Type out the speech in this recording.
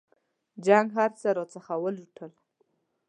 جنګ هرڅه راڅخه ولوټل.